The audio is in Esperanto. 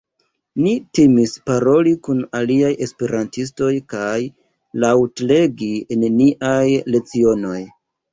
Ni timis paroli kun aliaj esperantistoj kaj laŭt-legi en niaj lecionoj.